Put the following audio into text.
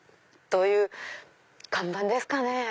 という看板ですかね？